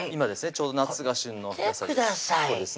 ちょうど夏が旬の野菜です